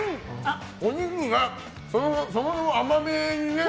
お肉がそもそも甘めにね。